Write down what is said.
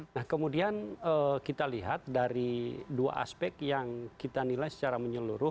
nah kemudian kita lihat dari dua aspek yang kita nilai secara menyeluruh